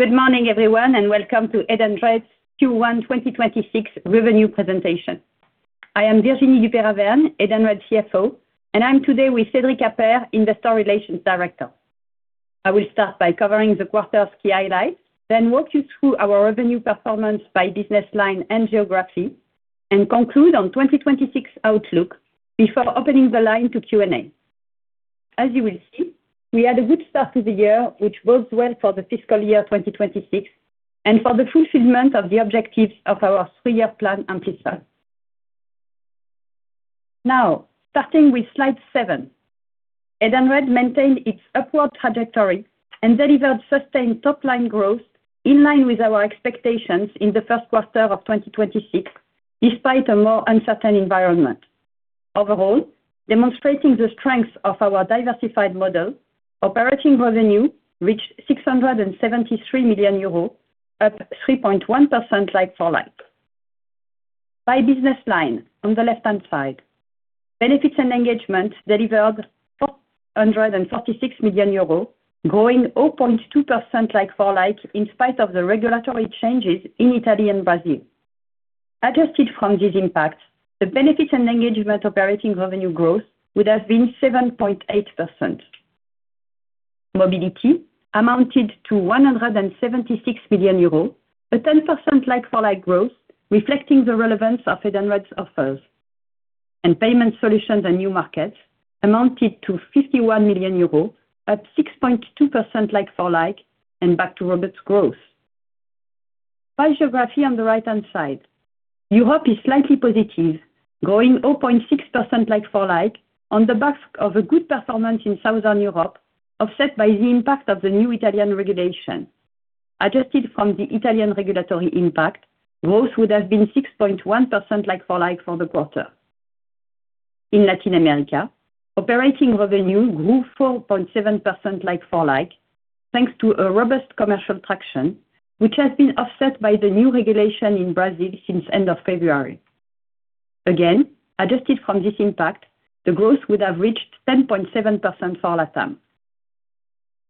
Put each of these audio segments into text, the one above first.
Good morning everyone and welcome to Edenred's Q1 2026 Revenue Presentation. I am Virginie Duperat-Vergne, Edenred CFO, and I'm today with Cédric Appert, Investor Relations Director. I will start by covering the quarter's key highlights, then walk you through our revenue performance by business line and geography, and conclude on 2026 outlook before opening the line to Q&A. As you will see, we had a good start to the year, which bodes well for the fiscal year 2026, and for the fulfillment of the objectives of our three-year plan Amplify. Now, starting with slide seven, Edenred maintained its upward trajectory and delivered sustained top-line growth in line with our expectations in the first quarter of 2026, despite a more uncertain environment. Overall, demonstrating the strength of our diversified model, operating revenue reached 673 million euros, up 3.1% like-for-like. By business line, on the left-hand side, Benefits & Engagement delivered 446 million euros, growing 0.2% like-for-like in spite of the regulatory changes in Italy and Brazil. Adjusted from this impact, the Benefits & Engagement operating revenue growth would have been 7.8%. Mobility amounted to 176 million euros, a 10% like-for-like growth, reflecting the relevance of Edenred's offers. Payment Solutions & New Markets amounted to 51 million euros, up 6.2% like-for-like, and back to robust growth. By geography on the right-hand side, Europe is slightly positive, growing 0.6% like-for-like on the back of a good performance in Southern Europe, offset by the impact of the new Italian regulation. Adjusted from the Italian regulatory impact, growth would have been 6.1% like-for-like for the quarter. In Latin America, operating revenue grew 4.7% like-for-like thanks to a robust commercial traction, which has been offset by the new regulation in Brazil since end of February. Adjusted for this impact, the growth would have reached 10.7% for LatAm.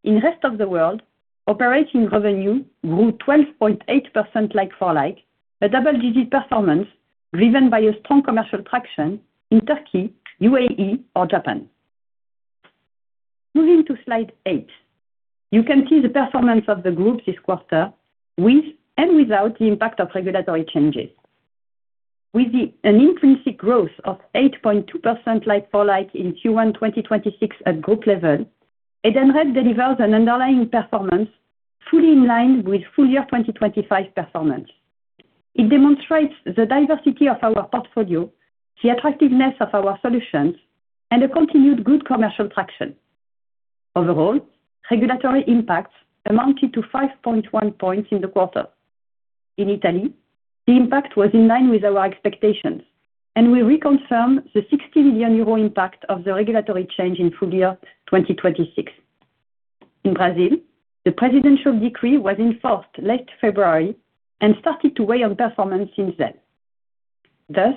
In the rest of the world, operating revenue grew 12.8% like-for-like, a double-digit performance driven by a strong commercial traction in Turkey, UAE, or Japan. Moving to slide eight. You can see the performance of the group this quarter with and without the impact of regulatory changes. With an intrinsic growth of 8.2% like-for-like in Q1 2026 at group level, Edenred delivers an underlying performance fully in line with full year 2025 performance. It demonstrates the diversity of our portfolio, the attractiveness of our solutions, and a continued good commercial traction. Overall, regulatory impacts amounted to 5.1 points in the quarter. In Italy, the impact was in line with our expectations, and we reconfirm the 60 million euro impact of the regulatory change in full year 2026. In Brazil, the presidential decree was enforced late February and started to weigh on performance since then. Thus,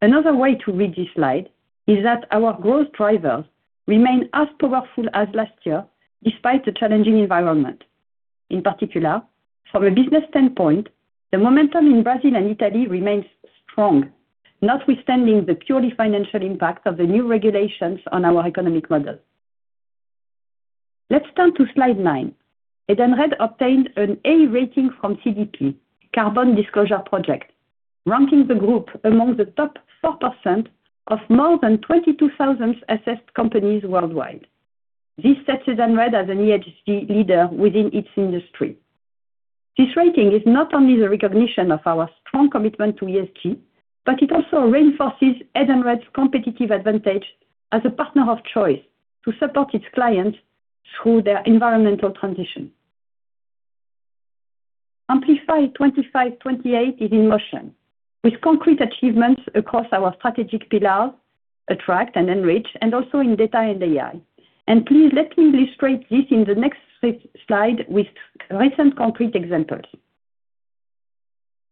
another way to read this slide is that our growth drivers remain as powerful as last year despite the challenging environment. In particular, from a business standpoint, the momentum in Brazil and Italy remains strong, notwithstanding the purely financial impact of the new regulations on our economic model. Let's turn to slide nine. Edenred obtained an A rating from CDP, Carbon Disclosure Project, ranking the group among the top 4% of more than 22,000 assessed companies worldwide. This sets Edenred as an ESG leader within its industry. This rating is not only the recognition of our strong commitment to ESG, but it also reinforces Edenred's competitive advantage as a partner of choice to support its clients through their environmental transition. Amplify 2025-2028 is in motion with concrete achievements across our strategic pillars, Attract and Enrich, and also in data and AI. Please let me illustrate this in the next slide with recent concrete examples.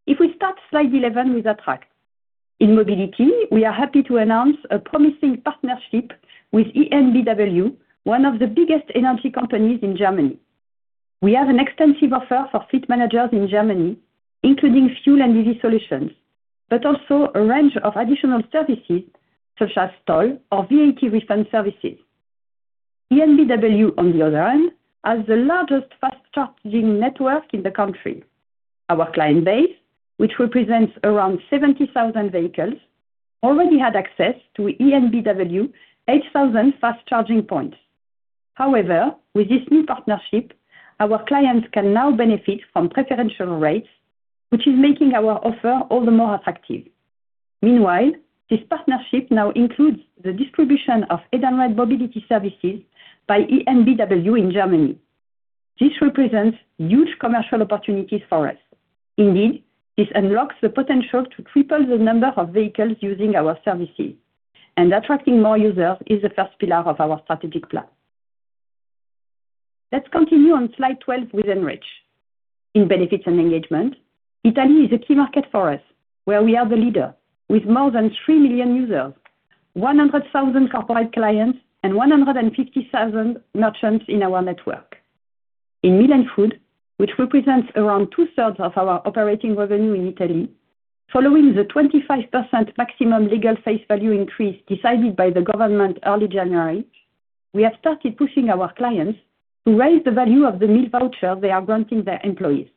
If we start slide 11 with Attract. In mobility, we are happy to announce a promising partnership with EnBW, one of the biggest energy companies in Germany. We have an extensive offer for fleet managers in Germany, including fuel and EV solutions, but also a range of additional services, such as toll or VAT refund services. EnBW, on the other hand, has the largest fast charging network in the country. Our client base, which represents around 70,000 vehicles, already had access to EnBW 8,000 fast charging points. However, with this new partnership, our clients can now benefit from preferential rates, which is making our offer all the more attractive. Meanwhile, this partnership now includes the distribution of Edenred mobility services by EnBW in Germany. This represents huge commercial opportunities for us. Indeed, this unlocks the potential to triple the number of vehicles using our services, and attracting more users is the first pillar of our strategic plan. Let's continue on slide 12 with Enrich. In Benefits & Engagement, Italy is a key market for us, where we are the leader with more than 3 million users, 100,000 corporate clients and 150,000 merchants in our network. In Meal & Food, which represents around 2/3 of our operating revenue in Italy, following the 25% maximum legal face value increase decided by the government early January, we have started pushing our clients to raise the value of the meal voucher they are granting their employees.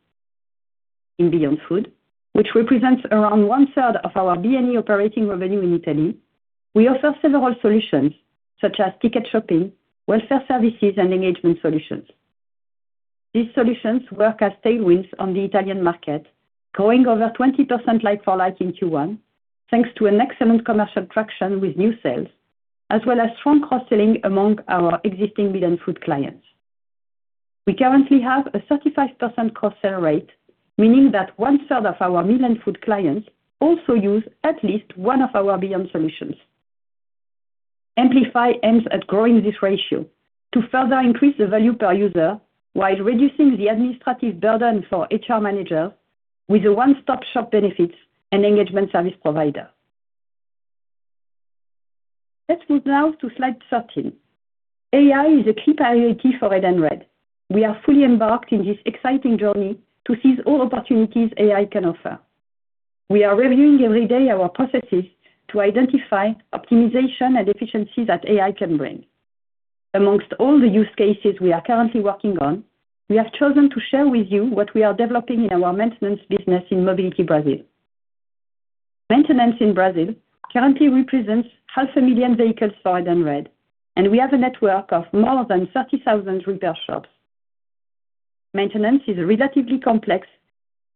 In Beyond Food, which represents around one-third of our BME operating revenue in Italy, we offer several solutions such as Ticket Shopping, welfare services, and engagement solutions. These solutions work as tailwinds on the Italian market, growing over 20% like-for-like in Q1, thanks to an excellent commercial traction with new sales, as well as strong cross-selling among our existing Meal & Food clients. We currently have a 35% cross-sell rate, meaning that 1/3 of our Meal & Food clients also use at least one of our Beyond solutions. Amplify aims at growing this ratio to further increase the value per user while reducing the administrative burden for HR managers with a one-stop-shop Benefits & Engagement service provider. Let's move now to slide 13. AI is a key priority for Edenred. We are fully embarked on this exciting journey to seize all opportunities AI can offer. We are reviewing every day our processes to identify optimization and efficiencies that AI can bring. Among all the use cases we are currently working on, we have chosen to share with you what we are developing in our maintenance business in Mobility Brazil. Maintenance in Brazil currently represents 500,000 vehicles for Edenred, and we have a network of more than 30,000 repair shops. Maintenance is a relatively complex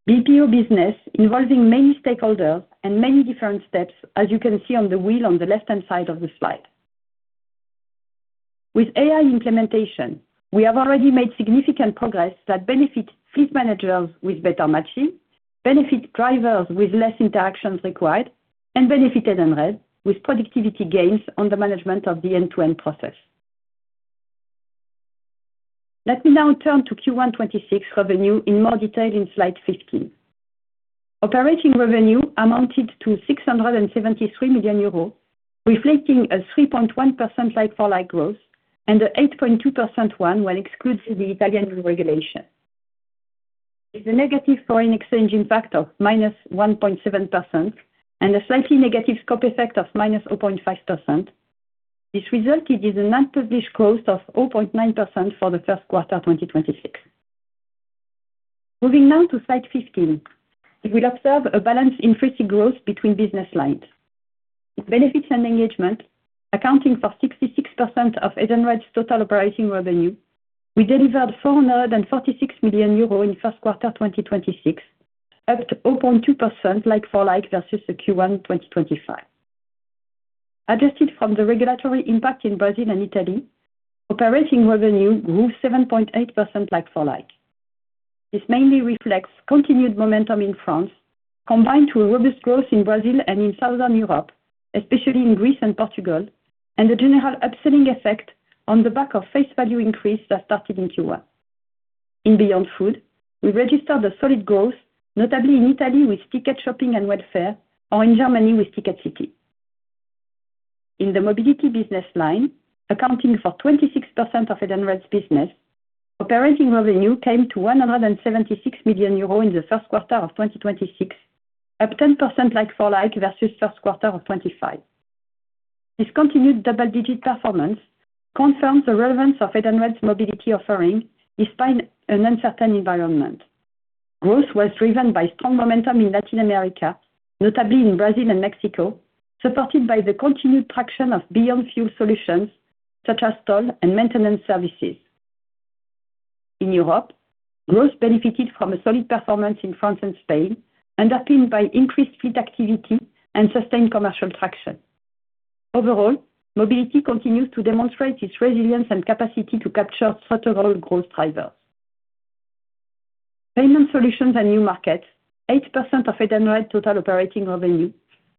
BPO business involving many stakeholders and many different steps, as you can see on the wheel on the left-hand side of the slide. With AI implementation, we have already made significant progress that benefits fleet managers with better matching, benefits drivers with less interactions required, and benefit Edenred with productivity gains on the management of the end-to-end process. Let me now turn to Q1 2026 revenue in more detail on slide 15. Operating revenue amounted to 673 million euros, reflecting a 3.1% like-for-like growth and an 8.2% one when excludes the Italian regulation. With a negative foreign exchange impact of -1.7% and a slightly negative scope effect of -0.5%, this resulted in a reported growth of 0.9% for the first quarter 2026. Moving now to slide 15, you will observe a balanced intrinsic growth between business lines. With Benefits & Engagement, accounting for 66% of Edenred's total operating revenue, we delivered 446 million euros in first quarter 2026, up 0.2% like-for-like versus the Q1 2025. Adjusted for the regulatory impact in Brazil and Italy, operating revenue grew 7.8% like-for-like. This mainly reflects continued momentum in France, combined with a robust growth in Brazil and in Southern Europe, especially in Greece and Portugal, and the general upselling effect on the back of face value increase that started in Q1. In Beyond Food, we registered a solid growth, notably in Italy with Ticket Shopping and welfare, or in Germany with Edenred City. In the Mobility business line, accounting for 26% of Edenred's business, operating revenue came to 176 million euros in the first quarter of 2026, up 10% like-for-like versus first quarter of 2025. This continued double-digit performance confirms the relevance of Edenred's Mobility offering, despite an uncertain environment. Growth was driven by strong momentum in Latin America, notably in Brazil and Mexico, supported by the continued traction of Beyond Fuel solutions such as toll and maintenance services. In Europe, growth benefited from a solid performance in France and Spain, underpinned by increased fleet activity and sustained commercial traction. Overall, Mobility continues to demonstrate its resilience and capacity to capture several growth drivers. Payment Solutions & New Markets, 8% of Edenred's total operating revenue,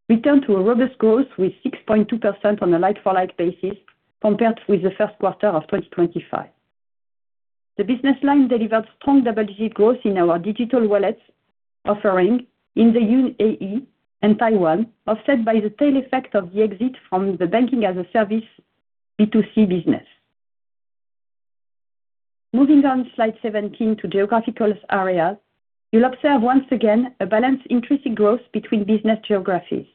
returned to a robust growth with 6.2% on a like-for-like basis compared with the first quarter of 2025. The business line delivered strong double-digit growth in our digital wallets offering in the UAE and Taiwan, offset by the tail effect of the exit from the banking-as-a-service B2C business. Moving on slide 17 to geographical areas, you'll observe once again a balanced intrinsic growth between business geographies.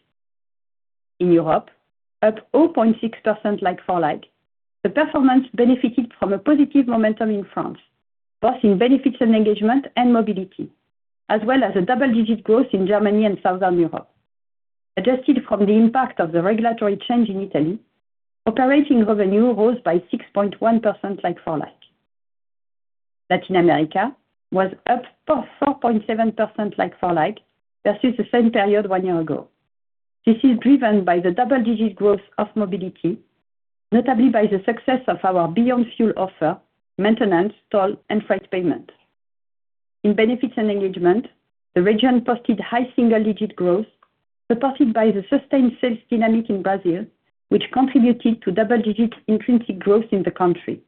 In Europe, up 0.6% like-for-like, the performance benefited from a positive momentum in France, both in Benefits & Engagement and Mobility, as well as a double-digit growth in Germany and Southern Europe. Adjusted from the impact of the regulatory change in Italy, operating revenue rose by 6.1% like-for-like. Latin America was up 4.7% like-for-like versus the same period one year ago. This is driven by the double-digit growth of Mobility, notably by the success of our Beyond Fuel offer, maintenance, toll, and freight payment. In Benefits & Engagement, the region posted high single-digit growth, supported by the sustained sales dynamic in Brazil, which contributed to double-digit intrinsic growth in the country.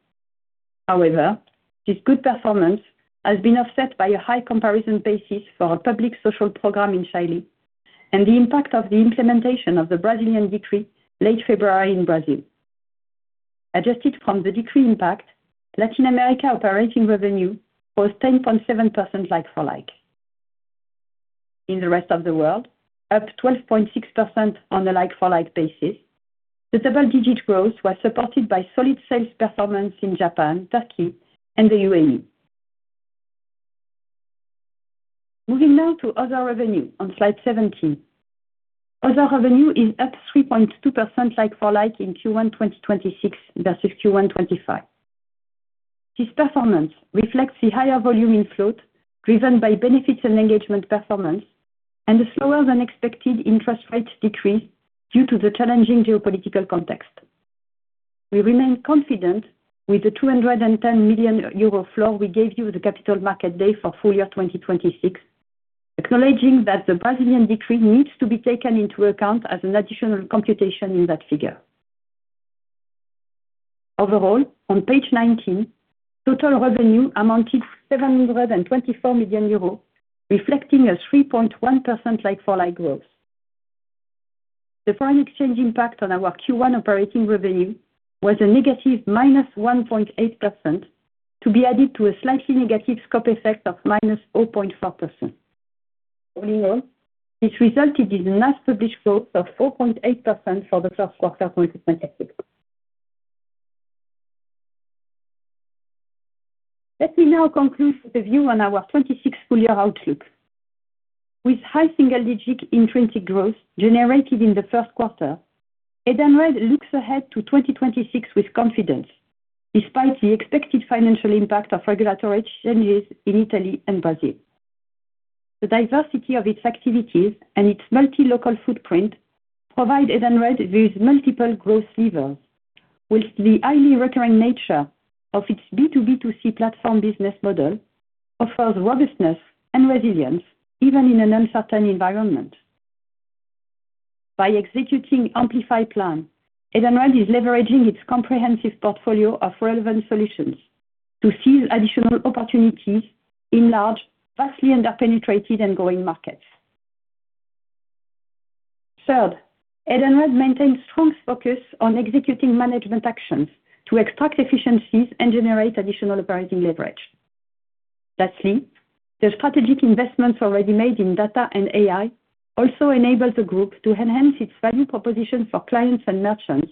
However, this good performance has been offset by a high comparison basis for our public social program in Chile and the impact of the implementation of the Brazilian decree late February in Brazil. Adjusted from the decree impact, Latin America operating revenue was 10.7% like-for-like. In the rest of the world, up 12.6% on a like-for-like basis. The double-digit growth was supported by solid sales performance in Japan, Turkey, and the UAE. Moving now to other revenue on Slide 17. Other revenue is up 3.2% like-for-like in Q1 2026 versus Q1 2025. This performance reflects the higher volume in float driven by Benefits & Engagement performance, and a slower than expected interest rate decrease due to the challenging geopolitical context. We remain confident with the 210 million euro float we gave you the Capital Markets Day for full year 2026, acknowledging that the Brazilian decree needs to be taken into account as an additional computation in that figure. Overall, on Page 19, total revenue amounted to 724 million euros, reflecting a 3.1% like-for-like growth. The foreign exchange impact on our Q1 operating revenue was a negative -1.8%, to be added to a slightly negative scope effect of -0.4%. All in all, this resulted in an established growth of 4.8% for the first quarter 2026. Let me now conclude with a view on our 2026 full-year outlook. With high single-digit intrinsic growth generated in the first quarter, Edenred looks ahead to 2026 with confidence, despite the expected financial impact of regulatory changes in Italy and Brazil. The diversity of its activities and its multi-local footprint provide Edenred with multiple growth levers, while the highly recurring nature of its B2B2C platform business model offers robustness and resilience even in an uncertain environment. By executing Amplify plan, Edenred is leveraging its comprehensive portfolio of relevant solutions to seize additional opportunities in large, vastly under-penetrated and growing markets. Third, Edenred maintains strong focus on executing management actions to extract efficiencies and generate additional operating leverage. Lastly, the strategic investments already made in data and AI also enable the group to enhance its value proposition for clients and merchants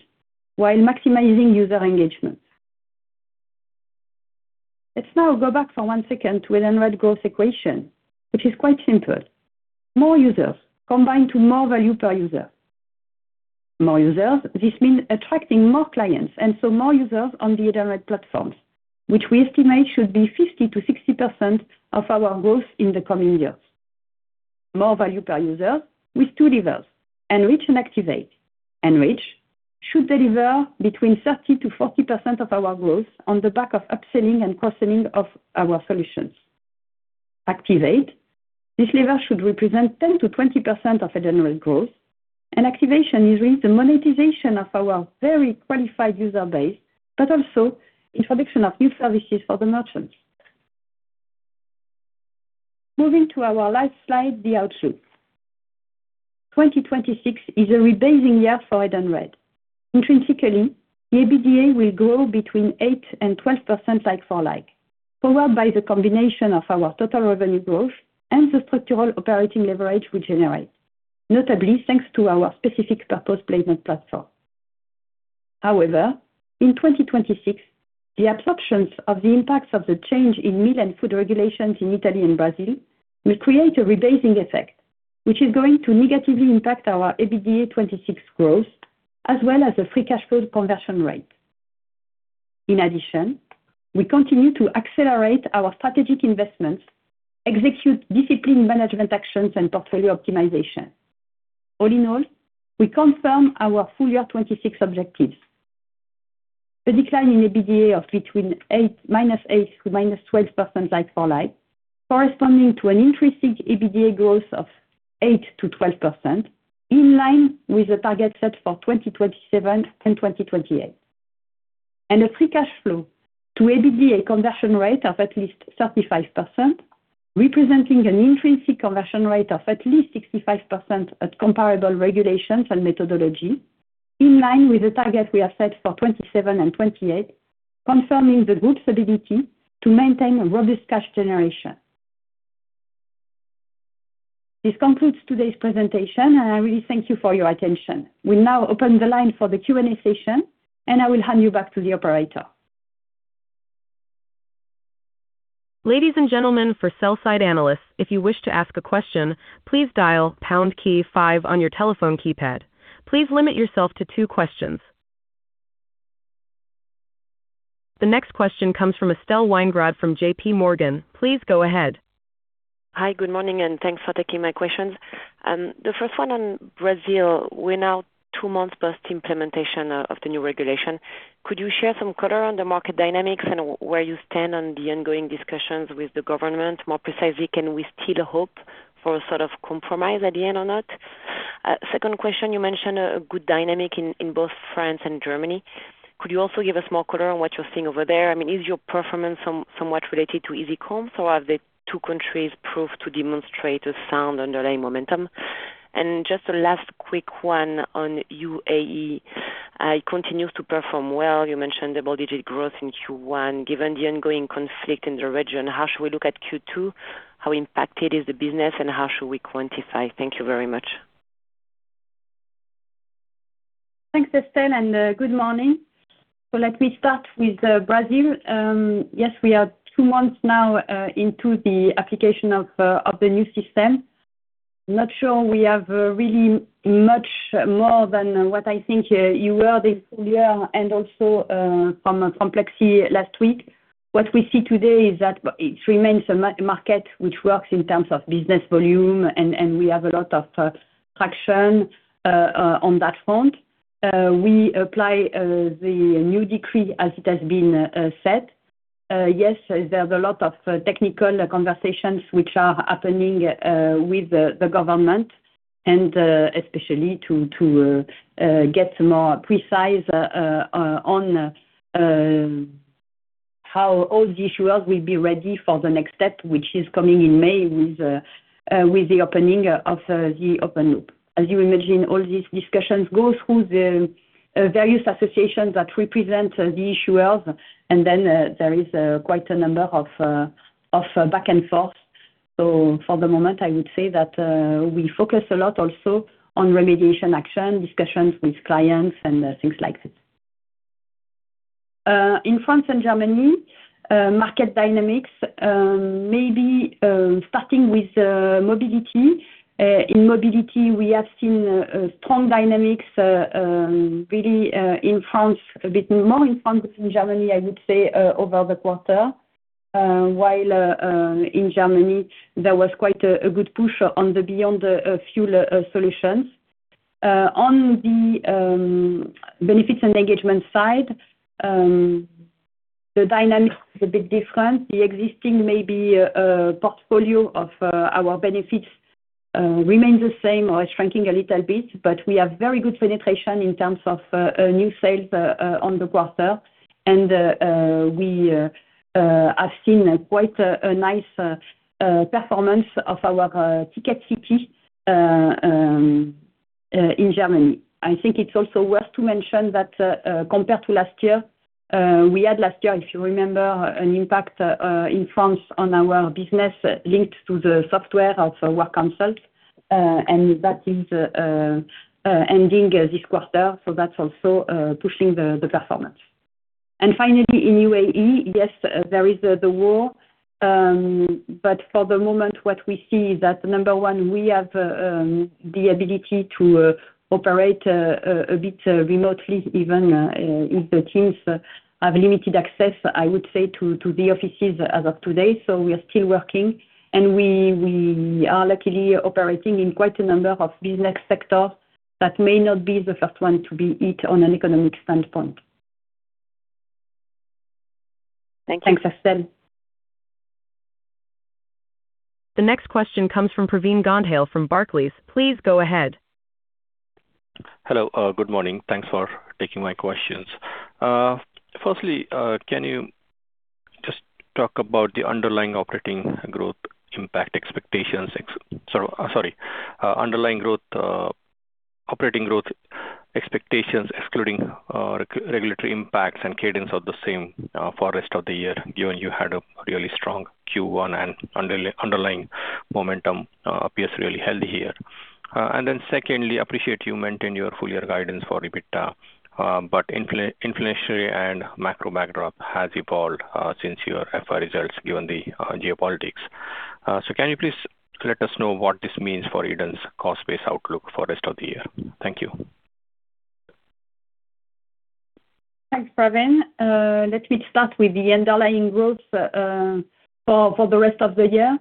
while maximizing user engagement. Let's now go back for one second to Edenred's growth equation, which is quite simple. More users combined with more value per user. More users, this means attracting more clients and so more users on the Edenred platforms, which we estimate should be 50%-60% of our growth in the coming years. More value per user with two levers, Enrich and Activate. Enrich should deliver between 30%-40% of our growth on the back of upselling and cross-selling of our solutions. Activate, this lever should represent 10%-20% of Edenred growth, and activation is really the monetization of our very qualified user base, but also introduction of new services for the merchants. Moving to our last slide, the outlook. 2026 is a rebasing year for Edenred. Intrinsically, the EBITDA will grow 8%-12% like-for-like, powered by the combination of our total revenue growth and the structural operating leverage we generate, notably thanks to our specific purpose placement platform. However, in 2026, the absorption of the impacts of the change in Meal & Food regulations in Italy and Brazil will create a rebasing effect, which is going to negatively impact our EBITDA 2026 growth, as well as the free cash flow conversion rate. In addition, we continue to accelerate our strategic investments, execute disciplined management actions and portfolio optimization. All in all, we confirm our full year 2026 objectives. The decline in EBITDA of between -8%-12% like-for-like, corresponding to an intrinsic EBITDA growth of 8%-12%, in line with the target set for 2027 and 2028. A free cash flow to EBITDA conversion rate of at least 35%, representing an intrinsic conversion rate of at least 65% at comparable regulations and methodology, in line with the target we have set for 2027 and 2028, confirming the group's ability to maintain a robust cash generation. This concludes today's presentation, and I really thank you for your attention. We'll now open the line for the Q&A session, and I will hand you back to the operator. Ladies and gentlemen, for sell-side analysts, if you wish to ask a question, please dial pound key five on your telephone keypad. Please limit yourself to two questions. The next question comes from Estelle Weingrod from JPMorgan. Please go ahead. Hi, good morning and thanks for taking my questions. The first one on Brazil. We're now two months post-implementation of the new regulation. Could you share some color on the market dynamics and where you stand on the ongoing discussions with the government? More precisely, can we still hope for a sort of compromise at the end or not? Second question, you mentioned a good dynamic in both France and Germany. Could you also give us more color on what you're seeing over there? Is your performance somewhat related to Easycom, or are the two countries proven to demonstrate a sound underlying momentum? And just a last quick one on UAE. It continues to perform well. You mentioned the double-digit growth in Q1. Given the ongoing conflict in the region, how should we look at Q2? How impacted is the business, and how should we quantify? Thank you very much. Thanks Estelle and good morning. Let me start with Brazil. Yes, we are two months now into the application of the new system. Not sure we have really much more than what I think you heard this full year, and also from Complexi last week. What we see today is that it remains a market which works in terms of business volume, and we have a lot of traction on that front. We apply the new decree as it has been set. Yes, there's a lot of technical conversations which are happening with the government, and especially to get more precise on how all the issuers will be ready for the next step, which is coming in May with the opening of the open loop. As you imagine, all these discussions go through the various associations that represent the issuers, and then there is quite a number of back and forth. For the moment, I would say that we focus a lot also on remediation action, discussions with clients, and things like this. In France and Germany, market dynamics, maybe starting with Mobility. In Mobility, we have seen strong dynamics, really in France, a bit more in France than Germany, I would say, over the quarter. While in Germany, there was quite a good push on the Beyond Fuel solutions. On the Benefits and Engagement side, the dynamic is a bit different. The existing maybe portfolio of our benefits remains the same or is shrinking a little bit, but we have very good penetration in terms of new sales on the quarter. We have seen quite a nice performance of our Ticket CP in Germany. I think it's also worth to mention that compared to last year, we had last year, if you remember, an impact in France on our business linked to the software of WorkConsult, and that is ending this quarter, so that's also pushing the performance. Finally, in UAE, yes, there is the war, but for the moment, what we see is that number one, we have the ability to operate a bit remotely, even if the teams have limited access, I would say, to the offices as of today. We are still working, and we are luckily operating in quite a number of business sectors that may not be the first one to be hit on an economic standpoint. Thank you. Thanks, Estelle. The next question comes from Pravin Gondhale from Barclays. Please go ahead. Hello, good morning. Thanks for taking my questions. Firstly, can you just talk about the underlying operating growth expectations, excluding regulatory impacts and cadence of the same for rest of the year, given you had a really strong Q1 and underlying momentum appears really healthy here. Then secondly, I appreciate you maintain your full year guidance for EBITDA, but inflationary and macro backdrop has evolved since your FY results given the geopolitics. Can you please let us know what this means for Edenred's cost base outlook for rest of the year? Thank you. Thanks, Pravin. Let me start with the underlying growth for the rest of the year.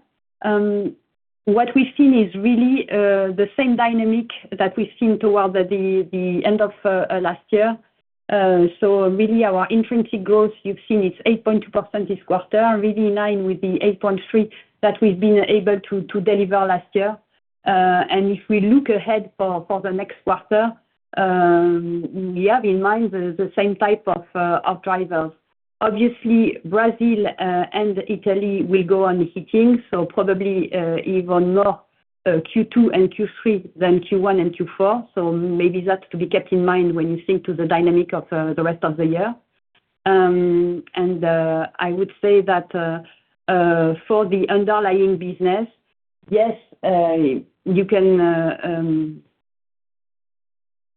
What we've seen is really the same dynamic that we've seen toward the end of last year. Really our intrinsic growth, you've seen it's 8.2% this quarter, really in line with the 8.3% that we've been able to deliver last year. If we look ahead for the next quarter, we have in mind the same type of drivers. Obviously, Brazil and Italy will go on hitting, so probably even more Q2 and Q3 than Q1 and Q4. Maybe that's to be kept in mind when you think to the dynamic of the rest of the year. I would say that for the underlying business, yes,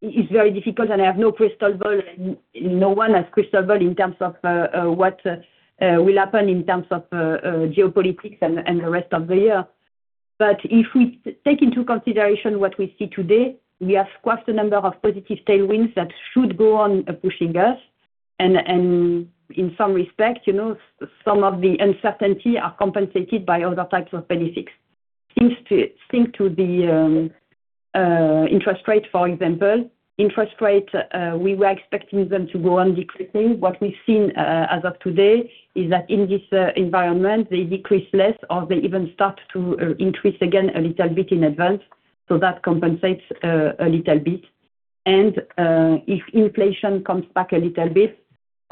it's very difficult, and I have no crystal ball, and no one has crystal ball in terms of what will happen in terms of geopolitics and the rest of the year. But if we take into consideration what we see today, we have quite a number of positive tailwinds that should go on pushing us. In some respect, some of the uncertainty are compensated by other types of benefits. Think to the interest rate, for example. Interest rate, we were expecting them to go on decreasing. What we've seen as of today is that in this environment, they decrease less or they even start to increase again a little bit in advance. So that compensates a little bit. If inflation comes back a little bit,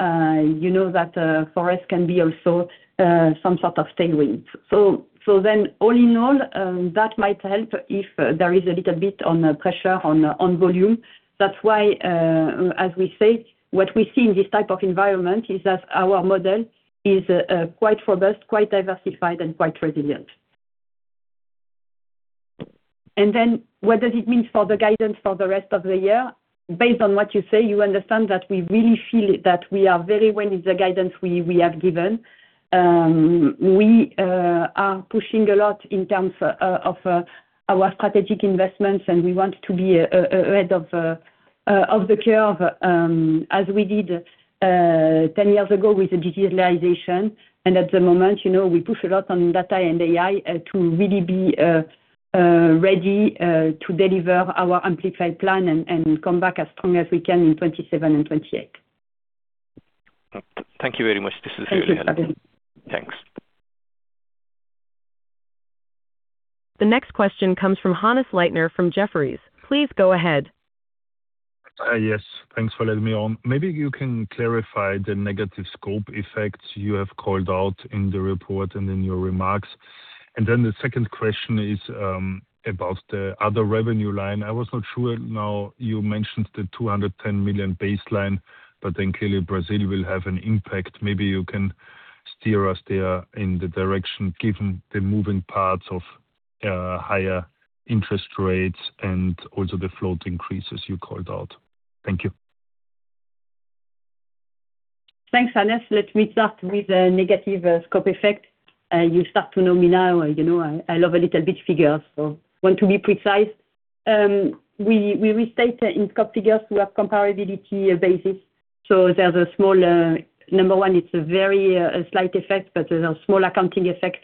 you know that for us can be also some sort of tailwind. All in all, that might help if there is a little bit of pressure on volume. That's why, as we say, what we see in this type of environment is that our model is quite robust, quite diversified, and quite resilient. What does it mean for the guidance for the rest of the year? Based on what you say, you understand that we really feel it, that we are very well within the guidance we have given. We are pushing a lot in terms of our strategic investments, and we want to be ahead of the curve, as we did 10 years ago with the digitalization. At the moment, we push a lot on data and AI to really be ready to deliver our Amplify plan and come back as strong as we can in 2027 and 2028. Thank you very much. This is clear. Thank you, Pravin. Thanks. The next question comes from Hannes Leitner from Jefferies. Please go ahead. Yes. Thanks for letting me on. Maybe you can clarify the negative scope effects you have called out in the report and in your remarks. The second question is about the other revenue line. I was not sure now, you mentioned the 210 million baseline, but then clearly Brazil will have an impact. Maybe you can steer us there in the direction, given the moving parts of higher interest rates and also the float increases you called out. Thank you. Thanks, Hannes. Let me start with the negative scope effect. You start to know me now, you know I love a little bit figures, so I want to be precise. We restate in scope figures to have comparability basis. There's a small, number one, it's a very slight effect, but there's a small accounting effect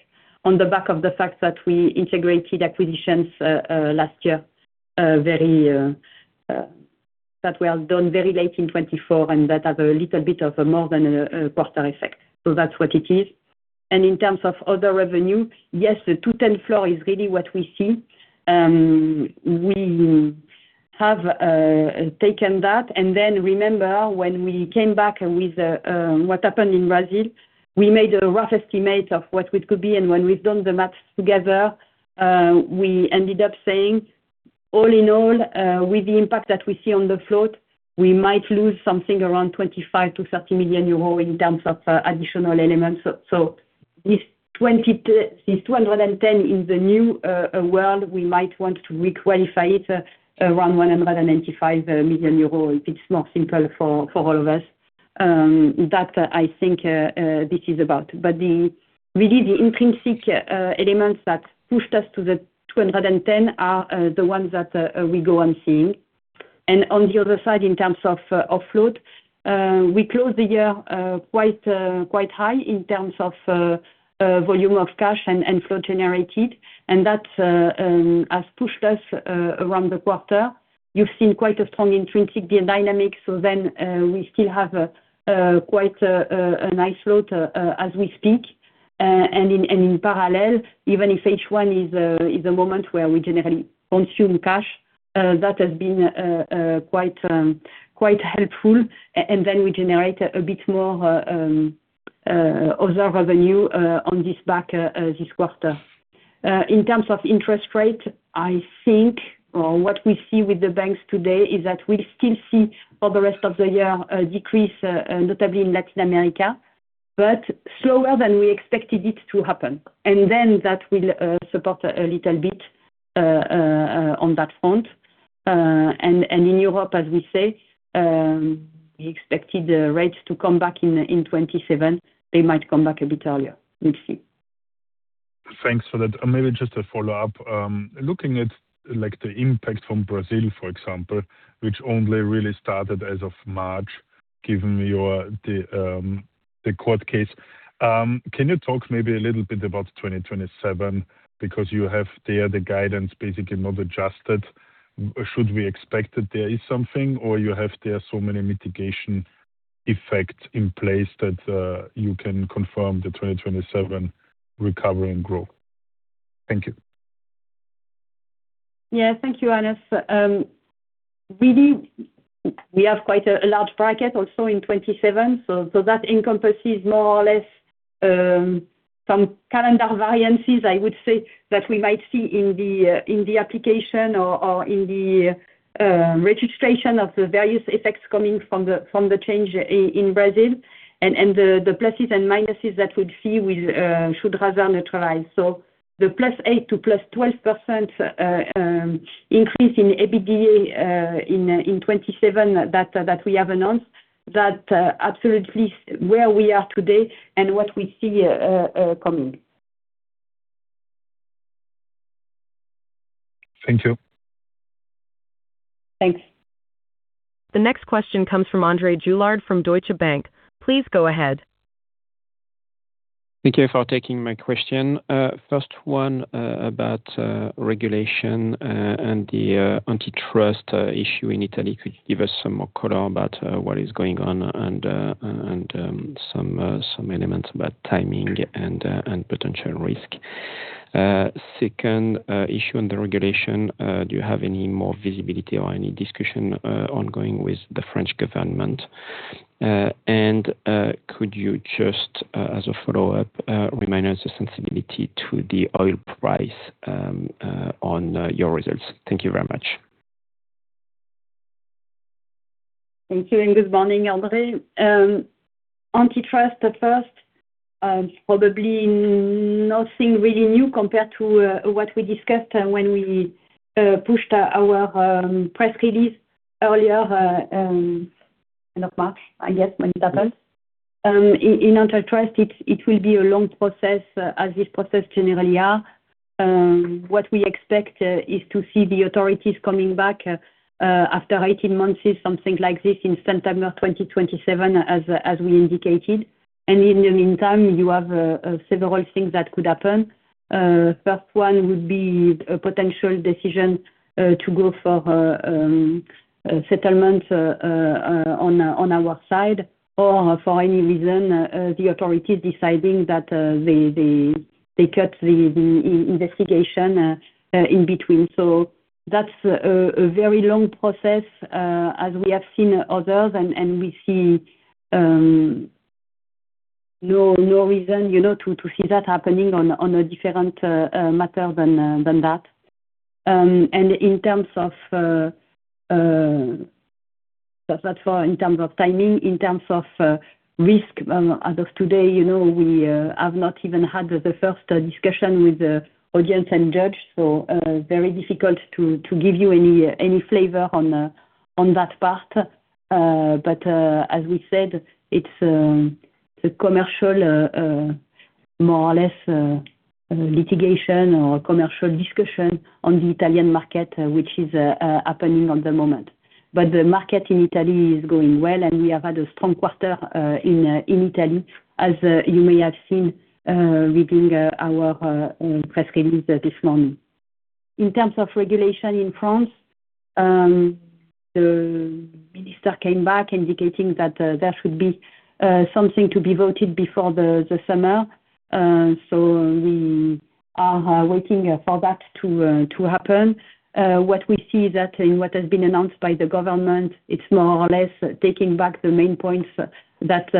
on the back of the fact that we integrated acquisitions last year, that were done very late in 2024, and that has a little bit of more than a quarter effect. That's what it is. In terms of other revenue, yes, the 210 flow is really what we see. We have taken that, and then remember when we came back with what happened in Brazil, we made a rough estimate of what it could be. When we've done the math together, we ended up saying, all in all, with the impact that we see on the float, we might lose something around 25-30 million euro in terms of additional elements. This 210 million in the new world, we might want to re-qualify it around 195 million euro if it's simpler for all of us. That, I think, this is about. Really, the intrinsic elements that pushed us to the 210 million are the ones that we go on seeing. On the other side, in terms of outflow, we closed the year quite high in terms of volume of cash flow generated, and that has pushed us around the quarter. You've seen quite a strong intrinsic dynamic. We still have quite a nice float as we speak. In parallel, even if H1 is a moment where we generally consume cash, that has been quite helpful. Then we generate a bit more other revenue on the back of this quarter. In terms of interest rate, I think what we see with the banks today is that we'll still see for the rest of the year a decrease, notably in Latin America, but slower than we expected it to happen. Then that will support a little bit on that front. In Europe, as we say, we expected the rates to come back in 2027. They might come back a bit earlier. We'll see. Thanks for that. Maybe just a follow-up. Looking at the impact from Brazil, for example, which only really started as of March, given the court case, can you talk maybe a little bit about 2027? Because you have there the guidance basically not adjusted. Should we expect that there is something, or you have there so many mitigation effects in place that you can confirm the 2027 recovery and growth? Thank you. Yeah. Thank you, Hannes. Really, we have quite a large bracket also in 2027. That encompasses more or less some calendar variances, I would say, that we might see in the application or in the registration of the various effects coming from the change in Brazil. The pluses and minuses that we'd see should rather neutralize. The +8% to +12% increase in EBITDA in 2027 that we have announced, that's absolutely where we are today and what we see coming. Thank you. Thanks. The next question comes from André Juillard from Deutsche Bank. Please go ahead. Thank you for taking my question. First one about regulation and the antitrust issue in Italy. Could you give us some more color about what is going on and some elements about timing and potential risk? Second issue on the regulation, do you have any more visibility or any discussion ongoing with the French government? And could you just, as a follow-up, remind us the sensitivity to the oil price on your results? Thank you very much. Thank you, and good morning, André. Antitrust at first, probably nothing really new compared to what we discussed when we pushed our press release earlier, end of March, I guess, when it happened. In antitrust, it will be a long process, as these process generally are. What we expect is to see the authorities coming back after 18 months, something like this, in September 2027, as we indicated. In the meantime, you have several things that could happen. First one would be a potential decision to go for settlement on our side or, for any reason, the authorities deciding that they cut the investigation in between. That's a very long process as we have seen others, and we see no reason to see that happening on a different matter than that. In terms of timing, in terms of risk, as of today, we have not even had the first discussion with the audience and judge, so very difficult to give you any flavor on that part. As we said, it's the commercial, more or less, litigation or commercial discussion on the Italian market, which is happening at the moment. The market in Italy is going well, and we have had a strong quarter in Italy, as you may have seen reading our press release this morning. In terms of regulation in France, the minister came back indicating that there should be something to be voted before the summer. We are waiting for that to happen. What we see that in what has been announced by the government, it's more or less taking back the main points that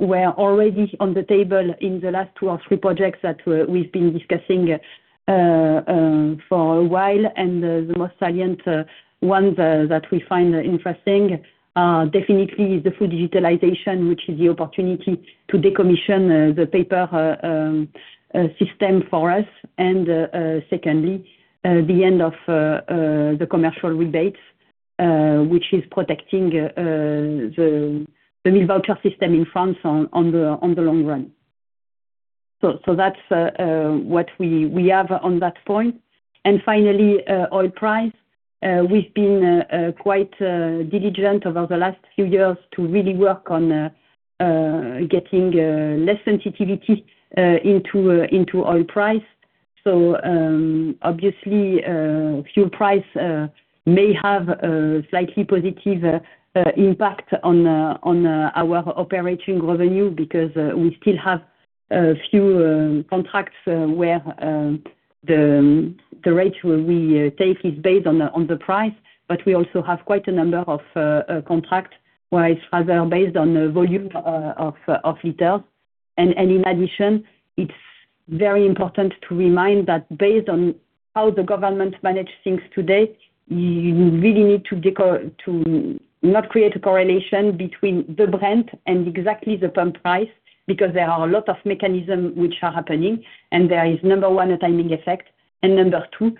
were already on the table in the last two or three projects that we've been discussing for a while. The most salient ones that we find interesting definitely is the full digitalization, which is the opportunity to decommission the paper system for us. Secondly, the end of the commercial rebates, which is protecting the meal voucher system in France on the long run. That's what we have on that point. Finally, oil price. We've been quite diligent over the last few years to really work on getting less sensitivity into oil price. Obviously, fuel price may have a slightly positive impact on our operating revenue because we still have a few contracts where the rate we take is based on the price, but we also have quite a number of contracts where it's rather based on volume of liter. In addition, it's very important to remind that based on how the government manage things today, you really need to not create a correlation between the brand and exactly the pump price, because there are a lot of mechanism which are happening, and there is, number one, a timing effect, and number two,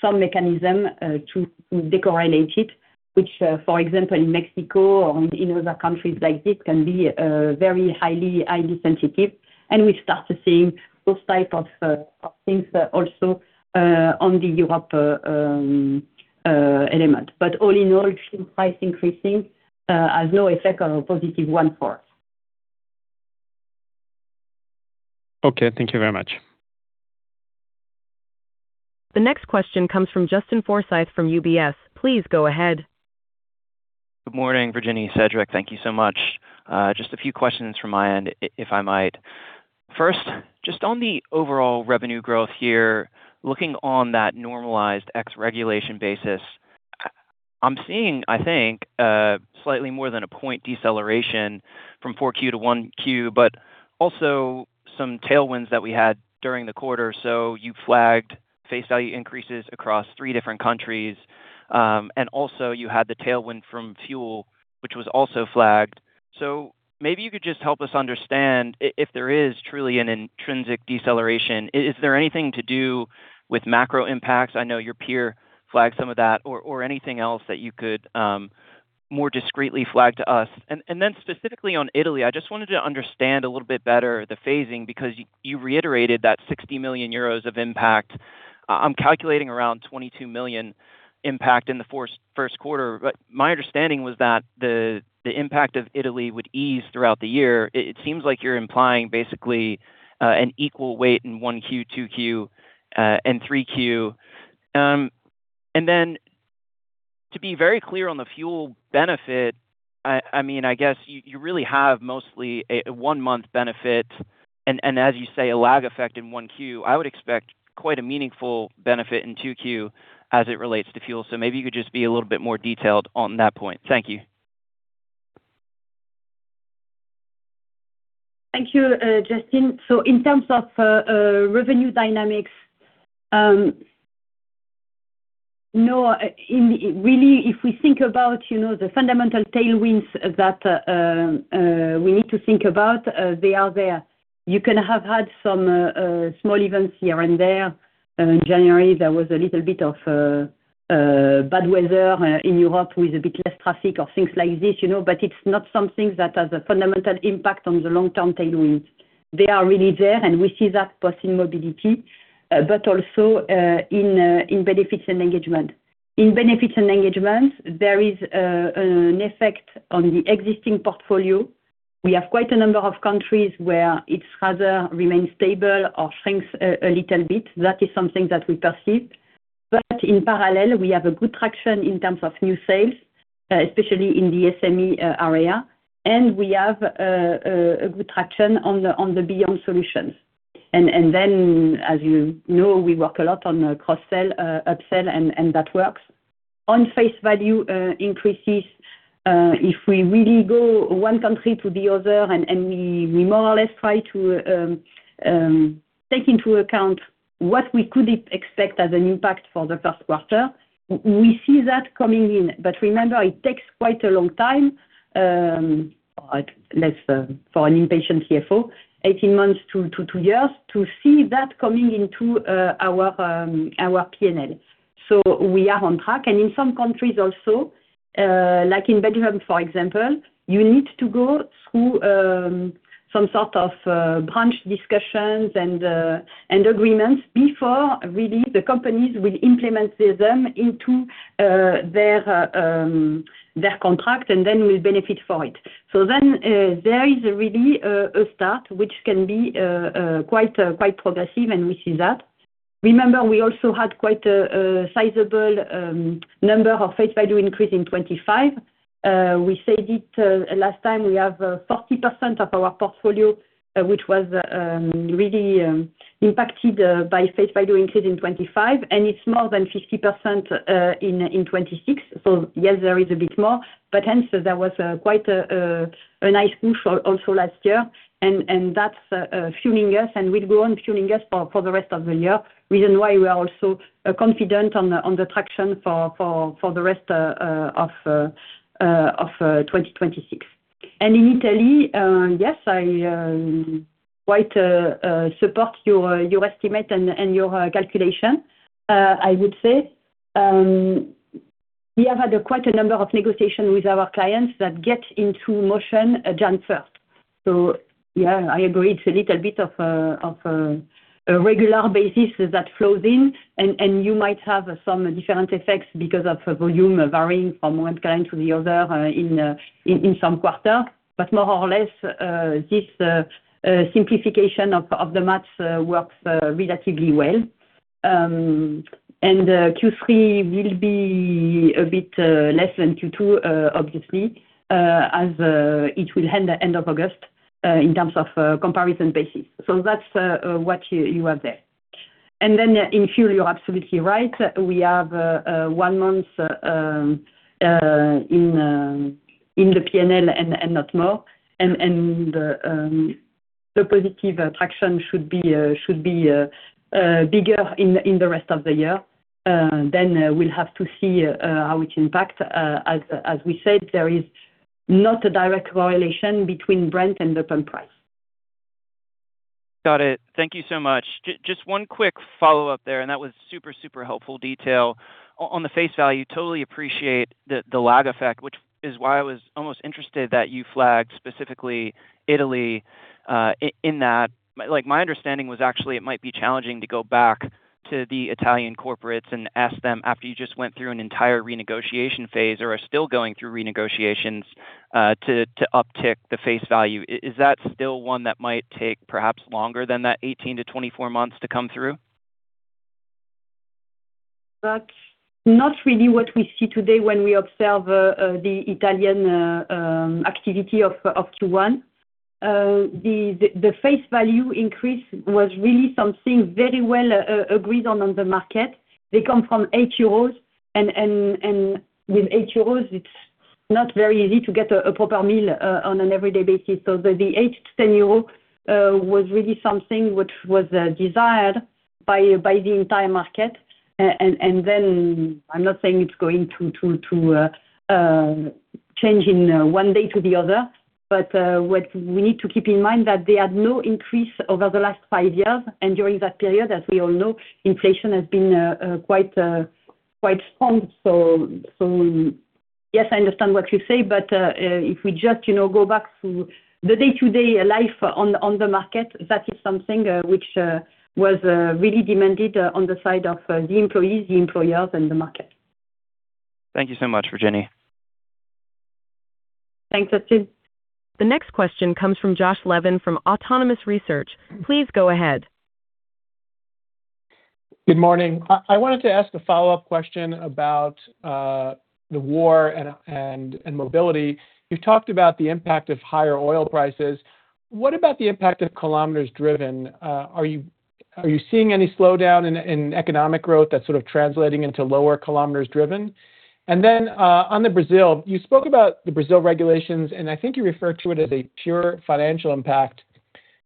some mechanism to decorrelate it, which for example, in Mexico or in other countries like this, can be very highly sensitive. We start to see those type of things also on the Europe element. All in all, fuel prices increasing has no effect on our positive 1/4. Okay, thank you very much. The next question comes from Justin Forsythe from UBS. Please go ahead. Good morning, Virginie, Cédric. Thank you so much. Just a few questions from my end, if I might. First, just on the overall revenue growth here, looking on that normalized ex regulation basis, I'm seeing, I think, slightly more than a point deceleration from 2Q-1Q, but also some tailwinds that we had during the quarter. You flagged face value increases across three different countries, and also you had the tailwind from fuel, which was also flagged. Maybe you could just help us understand if there is truly an intrinsic deceleration. Is there anything to do with macro impacts? I know your peer flagged some of that or anything else that you could more discreetly flag to us. Specifically on Italy, I just wanted to understand a little bit better the phasing, because you reiterated that 60 million euros of impact. I'm calculating around 22 million impact in the first quarter. My understanding was that the impact of Italy would ease throughout the year. It seems like you're implying basically an equal weight in 1Q, 2Q, and 3Q. To be very clear on the fuel benefit, I guess you really have mostly a one-month benefit and, as you say, a lag effect in 1Q. I would expect quite a meaningful benefit in 2Q as it relates to fuel. Maybe you could just be a little bit more detailed on that point. Thank you. Thank you, Justin. In terms of revenue dynamics, really, if we think about the fundamental tailwinds that we need to think about, they are there. We've had some small events here and there. In January, there was a little bit of bad weather in Europe with a bit less traffic or things like this. It's not something that has a fundamental impact on the long-term tailwind. They are really there, and we see that both in Mobility, but also in Benefits and Engagement. In Benefits and Engagement, there is an effect on the existing portfolio. We have quite a number of countries where it rather remains stable or shrinks a little bit. That is something that we perceive. In parallel, we have a good traction in terms of new sales, especially in the SME area, and we have a good traction on the beyond solutions. As you know, we work a lot on cross-sell, up-sell, and that works. On face value increases, if we really go one country to the other, and we more or less try to take into account what we could expect as an impact for the first quarter, we see that coming in. Remember, it takes quite a long time. Let's, for an impatient CFO, 18 months to two years to see that coming into our P&L. We are on track. In some countries also, like in Belgium, for example, you need to go through some sort of branch discussions and agreements before, really, the companies will implement them into their contract and then will benefit for it. There is really a start, which can be quite progressive, and we see that. Remember, we also had quite a sizable number of face value increase in 2025. We said it last time, we have 40% of our portfolio, which was really impacted by face value increase in 2025, and it's more than 50% in 2026. Yes, there is a bit more. But hence, there was quite a nice push also last year, and that's fueling us, and will go on fueling us for the rest of the year. Reason why we are also confident on the traction for the rest of 2026. In Italy, yes, I quite support your estimate and your calculation. I would say, we have had quite a number of negotiations with our clients that get into motion January 1st. Yeah, I agree, it's a little bit of a regular basis that flows in, and you might have some different effects because of volume varying from one client to the other in some quarter. More or less, this simplification of the math works relatively well. Q3 will be a bit less than Q2, obviously, as it will end of August, in terms of comparison basis. That's what you have there. Then in fuel, you're absolutely right. We have one month in the P&L and not more, and the positive traction should be bigger in the rest of the year. We'll have to see how it impacts. As we said, there is not a direct correlation between Brent and the pump price. Got it. Thank you so much. Just one quick follow-up there, and that was super helpful detail. On the face value, totally appreciate the lag effect, which is why I was almost interested that you flagged specifically Italy, in that. My understanding was actually it might be challenging to go back to the Italian corporates and ask them after you just went through an entire renegotiation phase or are still going through renegotiations, to uptick the face value. Is that still one that might take perhaps longer than that 18-24 months to come through? That's not really what we see today when we observe the Italian activity of Q1. The face value increase was really something very well agreed on the market. They come from 8 euros, and with 8 euros, it's not very easy to get a proper meal on an everyday basis. The 8-10 euros was really something which was desired by the entire market. I'm not saying it's going to change in one day to the other. What we need to keep in mind that they had no increase over the last five years. During that period, as we all know, inflation has been quite strong. Yes, I understand what you say, but if we just go back to the day-to-day life on the market, that is something which was really demanded on the side of the employees, the employers, and the market. Thank you so much, Virginie. Thanks, Justin. The next question comes from Josh Levin from Autonomous Research. Please go ahead. Good morning. I wanted to ask a follow-up question about the war and mobility. You've talked about the impact of higher oil prices. What about the impact of kilometers driven? Are you seeing any slowdown in economic growth that's sort of translating into lower kilometers driven? On Brazil, you spoke about the Brazil regulations, and I think you referred to it as a pure financial impact.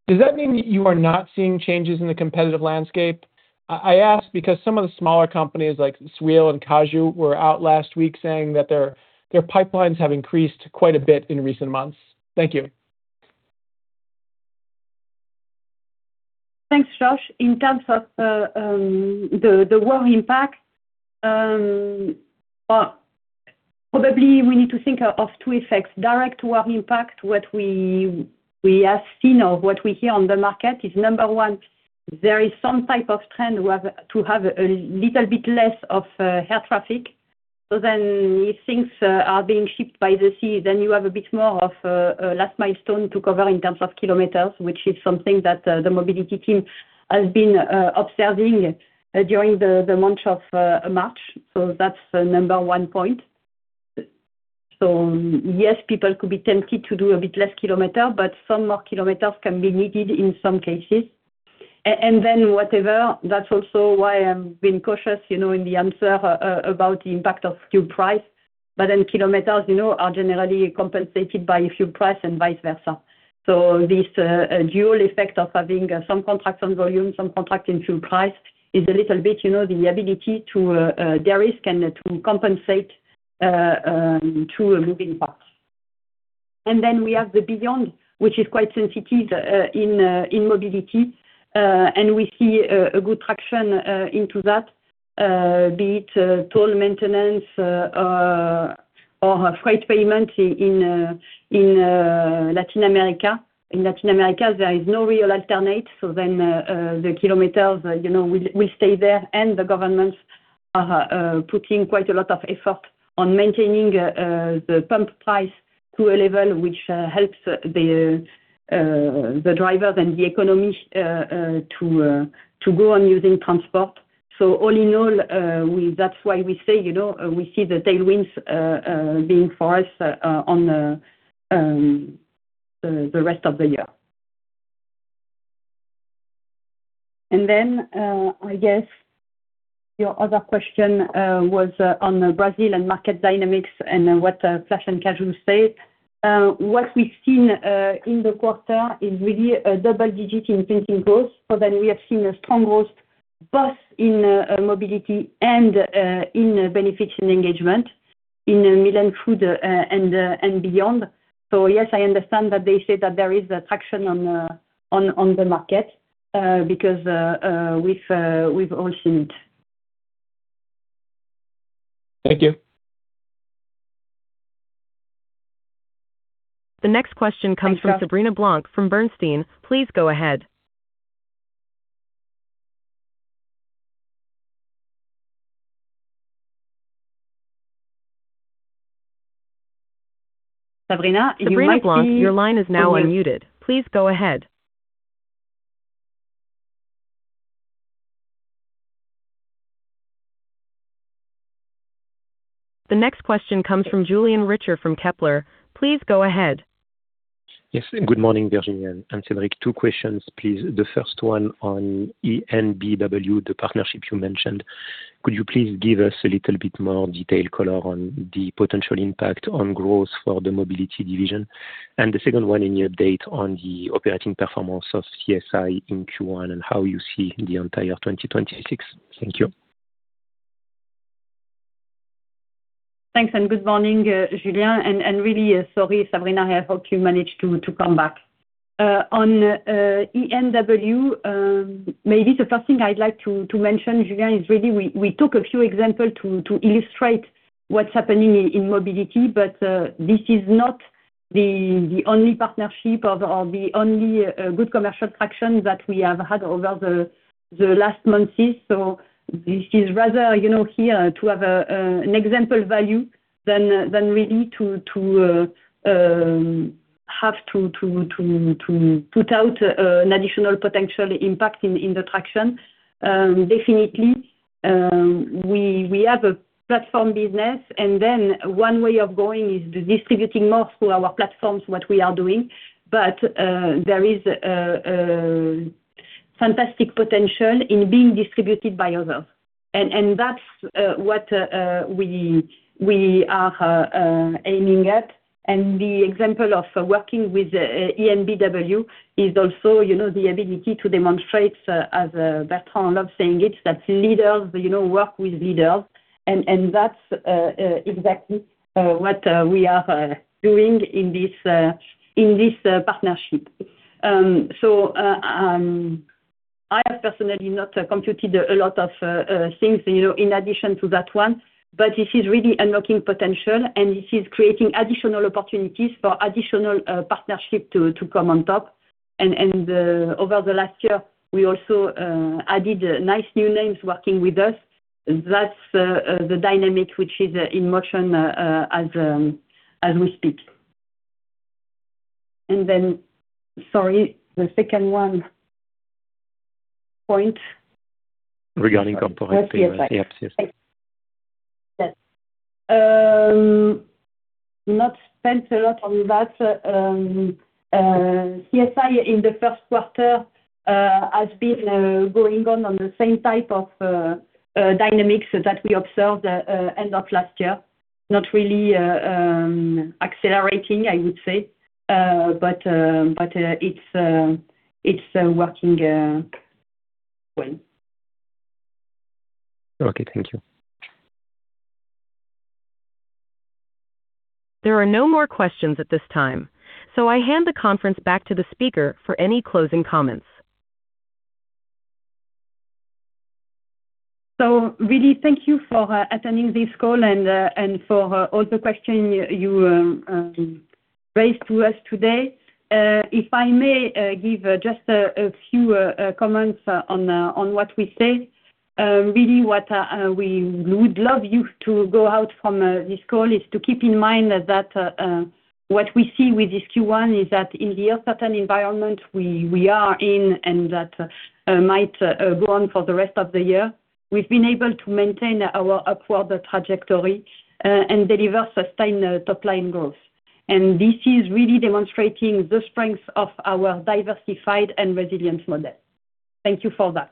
Does that mean that you are not seeing changes in the competitive landscape? I ask because some of the smaller companies like Swile and Caju were out last week saying that their pipelines have increased quite a bit in recent months. Thank you. Thanks, Josh. In terms of the war impact, probably we need to think of two effects, direct war impact. What we have seen or what we hear on the market is number one, there is some type of trend to have a little bit less of air traffic. If things are being shipped by the sea, then you have a bit more of a last milestone to cover in terms of kilometers, which is something that the Mobility team has been observing during the month of March. That's the number one point. Yes, people could be tempted to do a bit less kilometer, but some more kilometers can be needed in some cases. Whatever, that's also why I'm being cautious in the answer about the impact of fuel price. Kilometers are generally compensated by fuel price and vice versa. This dual effect of having some contracts on volume, some contract in fuel price is a little bit the ability to de-risk and to compensate through moving parts. We have the Beyond, which is quite sensitive in mobility. We see good traction into that, be it toll maintenance or freight payment in Latin America. In Latin America, there is no real alternative. The kilometers will stay there and the governments are putting quite a lot of effort on maintaining the pump price to a level which helps the drivers and the economy to go on using transport. All in all, that's why we say we see the tailwinds being for us for the rest of the year. I guess your other question was on Brazil and market dynamics and what Flash and Caju say. What we've seen in the quarter is really a double-digit organic growth. We have seen a strong growth both in Mobility and in Benefits & Engagement in Meal & Food and Beyond. Yes, I understand that they say that there is traction on the market because we've all seen it. Thank you. The next question comes from Sabrina Blanc from Bernstein. Please go ahead. Sabrina, you might be. Sabrina Blanc, your line is now unmuted. Please go ahead. The next question comes from Julien Richer from Kepler. Please go ahead. Yes. Good morning, Virginie Duperat-Vergne and Cédric Appert. Two questions, please. The first one on EnBW, the partnership you mentioned, could you please give us a little bit more detail color on the potential impact on growth for the mobility division? The second one, any update on the operating performance of CSI in Q1 and how you see the entire 2026? Thank you. Thanks, good morning Julien. Really sorry, Sabrina. I hope you managed to come back. On EnBW, maybe the first thing I'd like to mention, Julien, is really we took a few examples to illustrate what's happening in Mobility, but this is not the only partnership or the only good commercial traction that we have had over the last months. This is rather, here to have an example value than really to have to put out an additional potential impact in the traction. Definitely, we have a platform business, and then one way of growing is distributing more through our platforms, what we are doing. There is a fantastic potential in being distributed by others. That's what we are aiming at. The example of working with EnBW is also the ability to demonstrate, as Bertrand loves saying it, that leaders work with leaders. That's exactly what we are doing in this partnership. I have personally not computed a lot of things in addition to that one, but this is really unlocking potential, and this is creating additional opportunities for additional partnership to come on top. Over the last year, we also added nice new names working with us. That's the dynamic which is in motion as we speak. Then, sorry, the second one point. Regarding component CSI. Yep. CSI. Yes. We haven't spent a lot on that. CSI in the first quarter has been going on the same type of dynamics that we observed end of last year. It's not really accelerating, I would say. It's working well. Okay. Thank you. There are no more questions at this time. I hand the conference back to the speaker for any closing comments. Really thank you for attending this call and for all the question you raised to us today. If I may give just a few comments on what we said. Really what we would love you to go out from this call is to keep in mind that what we see with this Q1 is that in the uncertain environment we are in and that might go on for the rest of the year, we've been able to maintain our upward trajectory, and deliver sustained top line growth. This is really demonstrating the strength of our diversified and resilient model. Thank you for that.